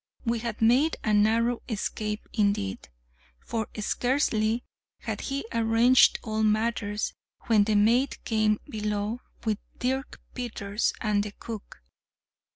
We had made a narrow escape indeed; for scarcely had he arranged all matters, when the mate came below, with Dirk Peters and the cook.